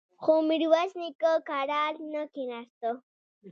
خو ميرويس نيکه کرار نه کېناسته.